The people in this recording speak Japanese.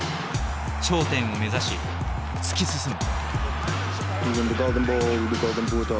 頂点を目指し突き進む。